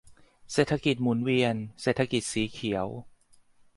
เศรษฐกิจ หมุนเวียน เศรษฐกิจสีเขียว